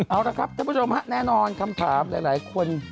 เอาละครับท่านผู้ชมฮะแน่นอนคำถามหลายคน